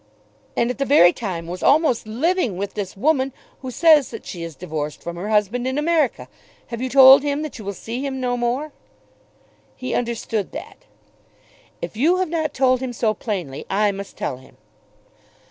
"And at the very time was almost living with this woman who says that she is divorced from her husband in America! Have you told him that you will see him no more?" "He understood that." "If you have not told him so plainly, I must tell him."